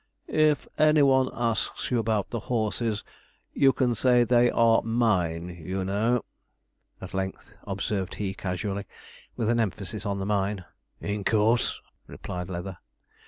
'If any one asks you about the horses, you can say they are mine, you know,' at length observed he casually, with an emphasis on the mine. 'In course,' replied Leather.